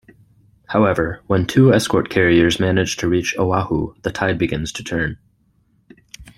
However, when two escort carriers manage to reach Oahu, the tide begins to turn.